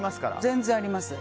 全然あります。